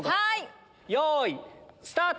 よいスタート！